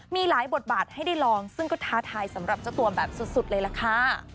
มีหลายบทบาทให้ได้ลองซึ่งก็ท้าทายสำหรับเจ้าตัวแบบสุดเลยล่ะค่ะ